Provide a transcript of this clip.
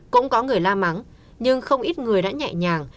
cũng có người la mắng nhưng không ít người đã nhẹ nhàng